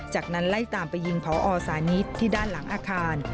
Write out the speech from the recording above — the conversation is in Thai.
จากนั้นไล่ตามไปยิงพอสานิทที่ด้านหลังอาคาร